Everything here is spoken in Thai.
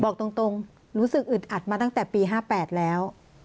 บอกตรงรู้สึกอึดอัดมาตั้งแต่ปี๕๘แล้ว